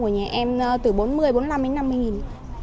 của nhà em từ bốn mươi bốn mươi năm đến năm mươi nghìn